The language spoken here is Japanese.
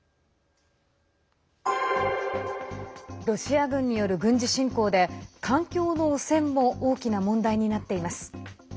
ロシア軍による軍事侵攻で環境の汚染も大きな問題になっています。